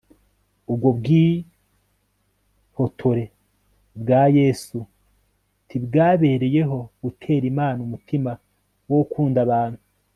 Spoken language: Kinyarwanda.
Ubgo bgihotore bga Yesu ntibgabereyeho guterlmana umutima wo gukundabantu